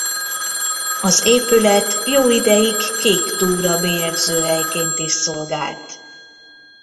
Az épület jó ideig kéktúra-bélyegzőhelyként is szolgált.